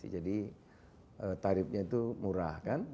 jadi tarifnya itu murah kan